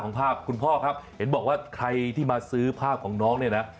ภาพคุณพ่อครับเห็นบอกว่าใครที่มาซื้อภาพของน้องเนี่ยนะ